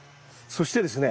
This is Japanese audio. そしてですね